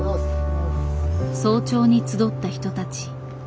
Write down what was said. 早朝に集った人たち。